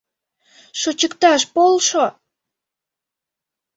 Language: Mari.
Шочыкташ полшо!